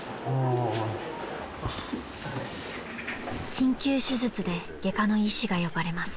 ［緊急手術で外科の医師が呼ばれます］